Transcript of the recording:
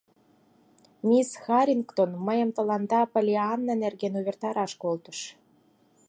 — Мисс Харрингтон мыйым тыланда Поллианна нерген увертараш колтыш.